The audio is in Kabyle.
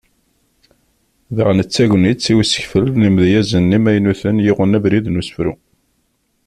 Daɣen d tagnit i usekfel n yimedyazen imaynuten yuɣen abrid n usefru.